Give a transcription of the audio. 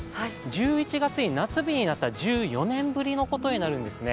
１１月に夏日になったのは１４年ぶりのことになるんですね。